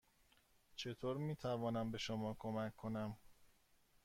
چطور می توانم به شما کمک کنم؟